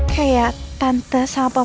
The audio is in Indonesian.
kayak tante sama papa tuh emang ada apa apa